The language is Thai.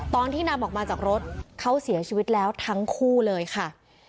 ตอนที่นำออกมาจากรถเขาเสียชีวิตแล้วทั้งคู่เลยค่ะ